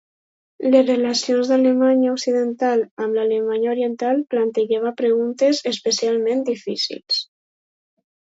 Les relacions d'Alemanya Occidental amb Alemanya Oriental plantejava preguntes especialment difícils.